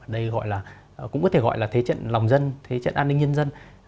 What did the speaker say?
đây cũng có thể gọi là thế trận lòng dân thế trận an ninh nhân dân